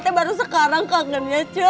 ternyata baru sekarang kangen ya cu